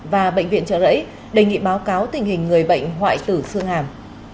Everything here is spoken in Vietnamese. và bệnh viện trợ rẫy đề nghị báo cáo tình hình người bệnh hoại tử xương hàm